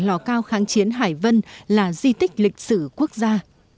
lò cao kháng chiến hải vân là di tích lịch sử quốc gia